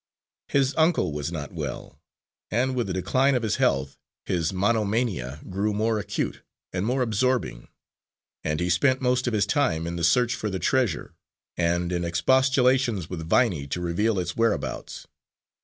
His uncle was not well, and with the decline of his health, his monomania grew more acute and more absorbing, and he spent most of his time in the search for the treasure and in expostulations with Viney to reveal its whereabouts.